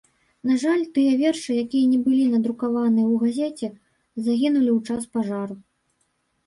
На жаль, тыя вершы, якія не былі надрукаваны ў газеце, загінулі ў час пажару.